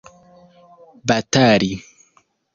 batali